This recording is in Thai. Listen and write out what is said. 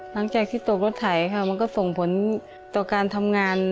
หลังจากที่ตกรถไถค่ะมันก็ส่งผลต่อการทำงาน